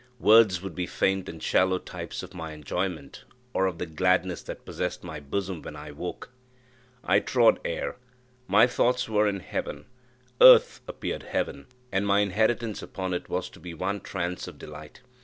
Words would be faint and shallow types of my enjoyment, or of the gladness that possessed my bosom when I woke. I trod air my thoughts were in heaven. Earth appeared heaven, and my inheritance upon it was to be one trance of delight.